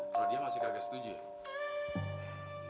kalo dia masih kaget setuju ya